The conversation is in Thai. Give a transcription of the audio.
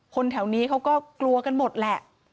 แถวนี้เขาก็กลัวกันหมดแหละ